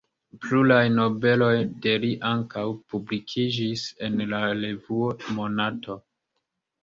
Pluraj noveloj de li ankaŭ publikiĝis en la revuo Monato.